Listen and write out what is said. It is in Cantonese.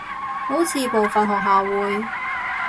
好似部份學校會